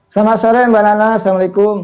selamat sore mbak nana assalamualaikum